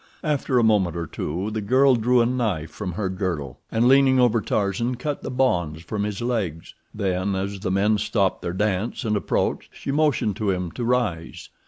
After a moment or two the girl drew a knife from her girdle, and, leaning over Tarzan, cut the bonds from his legs. Then, as the men stopped their dance, and approached, she motioned to him to rise.